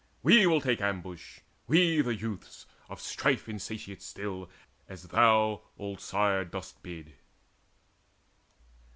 We will take ambush, we the youths, of strife Insatiate still, as thou, old sire, dost bid."